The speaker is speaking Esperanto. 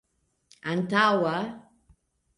antaŭa